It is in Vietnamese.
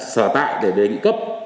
sở tại để đề nghị cấp